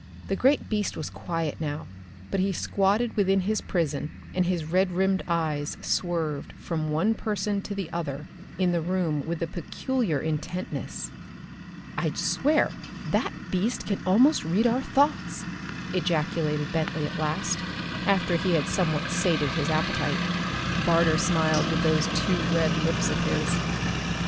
The great beast was quiet now, but he squatted within his prison and his red rimmed eyes swerved from one person to the other in the room with a peculiar intentness. "I'd swear that beast can almost read our thoughts!" ejaculated Bentley at last, after he had somewhat sated his appetite. Barter smiled with those too red lips of his.